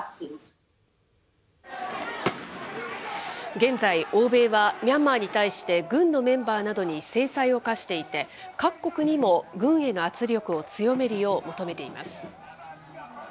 現在、欧米はミャンマーに対して、軍のメンバーなどに制裁を科していて、各国にも軍への圧力を強めるよう求めています。